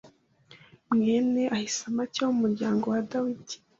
mwene Ahisamaki, wo mu muryango wa Dani